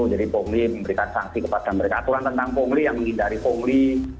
jadi ponggli memberikan sanksi kepada mereka aturan tentang ponggli yang menghindari ponggli